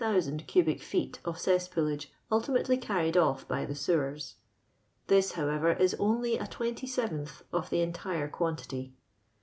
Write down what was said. ocM) cubic feet of cesspoolage ultimately caniril off by the sow»^rs. This, howt ver, is only a twriity scveiith of the Mitiro quantity.